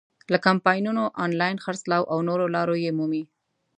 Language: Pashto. له کمپاینونو، آنلاین خرڅلاو او نورو لارو یې مومي.